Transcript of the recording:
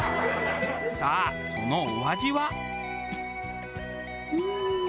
さあそのお味は。